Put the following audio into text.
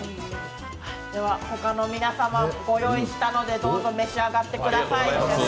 他の皆様、ご用意したのでどうぞ召し上がってください。